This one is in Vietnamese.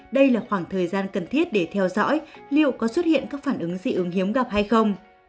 đây là khoảng thời gian cần thiết để theo dõi liệu có xuất hiện các phản ứng dị ứng hiếm gặp hay không